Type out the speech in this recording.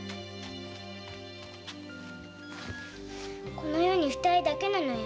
この世に二人だけなのよ。